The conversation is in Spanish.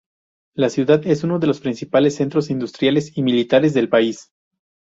La ciudad es uno de los principales centros industriales y militares del país.